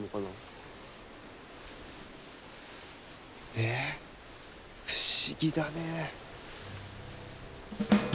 え不思議だね。